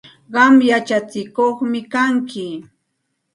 Qam yachatsikuqmi kanki.